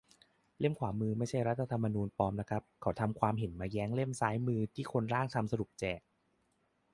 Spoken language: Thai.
เล่มขวามือไม่ใช่รัฐธรรมนูญปลอมนะครับ เขาทำความเห็นมาแย้งเล่มซ้ายมือที่คนร่างทำสรุปแจก